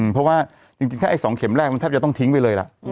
เพราะว่าจริงถ้าไอ้๒เข็มแรกมันแทบจะต้องทิ้งไปเลยล่ะ